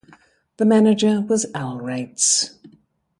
The manager was Al Reitz.